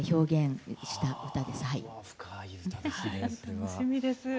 楽しみです。